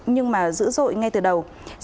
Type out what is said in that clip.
nhưng mà dữ dội ngay từ đầu năm nay